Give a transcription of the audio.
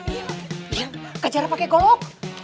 ia kejar pake golok